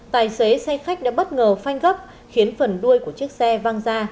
tài xế xe khách đã bất ngờ phanh gấp khiến phần đuôi của chiếc xe văng ra